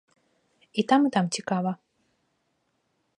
І там, і там цікава.